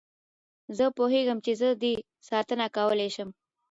زه پوهېږم چې زه دې ساتنه کولای شم.